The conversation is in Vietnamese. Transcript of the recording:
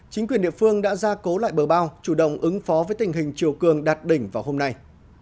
chính quyền địa phương đã ra cố lại bờ bao chủ động ứng phó với tình hình chiều cường đạt đỉnh vào hôm nay